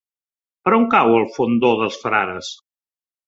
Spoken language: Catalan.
Per on cau el Fondó dels Frares?